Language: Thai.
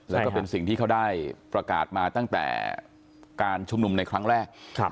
แล้วก็เป็นสิ่งที่เขาได้ประกาศมาตั้งแต่การชุมนุมในครั้งแรก